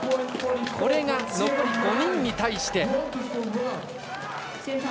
これが残り５人に対して。